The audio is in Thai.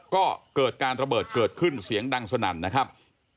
ก็เกิดการระเบิดเกิดขึ้นเสียงดังสนั่นนะครับ